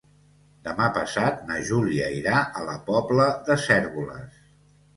Demà passat na Júlia irà a la Pobla de Cérvoles.